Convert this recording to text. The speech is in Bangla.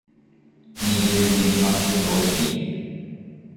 নিজের দিদিমাকে দোষ দিন।